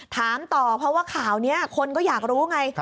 ถามต่อเพราะว่าข่าวนี้คนก็อยากรู้ไง